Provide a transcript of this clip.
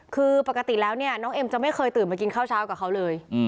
คือปกติแล้วเนี่ยน้องเอ็มจะไม่เคยตื่นมากินข้าวเช้ากับเขาเลย